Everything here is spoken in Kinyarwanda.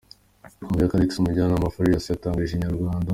Muyoboke Alex umujyanama wa Farious yatangarije Inyarwanda.